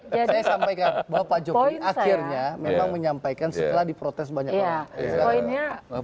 saya sampaikan bahwa pak jokowi akhirnya memang menyampaikan setelah diprotes banyak orang